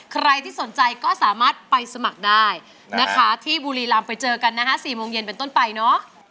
ใครที่สนใจก็สามารถไปสมัครได้นะคะที่บุรีรำไปเจอกันนะคะ๔โมงเย็นเป็นต้นไปเนาะ